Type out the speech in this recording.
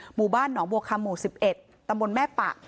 หมู่บ้านหนองบัวคำหมู่๑๑ตำบลแม่ปะ